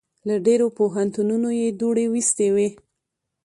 له ډېرو پوهنتونو یې دوړې ویستې وې.